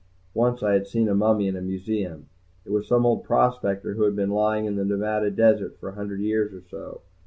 Once I had seen a mummy in a museum, it was some old prospector who had been lying in the Nevada desert for a hundred years or so.